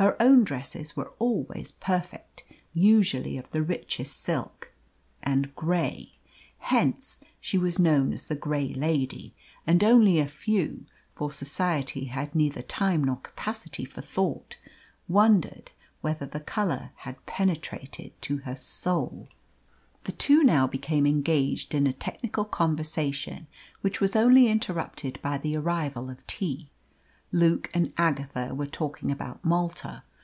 Her own dresses were always perfect, usually of the richest silk and grey. Hence she was known as the Grey Lady, and only a few for Society has neither time nor capacity for thought wondered whether the colour had penetrated to her soul. The two now became engaged in a technical conversation, which was only interrupted by the arrival of tea. Luke and Agatha were talking about Malta.